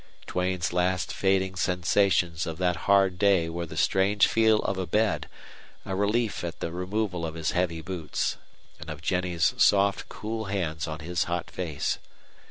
Duane's last fading sensations of that hard day were the strange feel of a bed, a relief at the removal of his heavy boots, and of Jennie's soft, cool hands on his hot face.